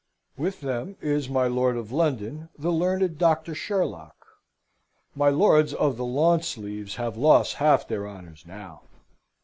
With them is my Lord of London, the learned Doctor Sherlock. My lords of the lawn sleeves have lost half their honours now.